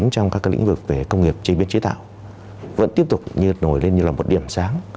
trong các lĩnh vực về công nghiệp chế biến chế tạo vẫn tiếp tục như nổi lên như là một điểm sáng